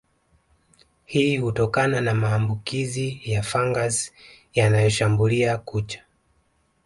Hii hutokana na maambukizi ya fangasi yanayoshambulia kucha